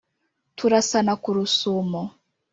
Turasana ku Rusumo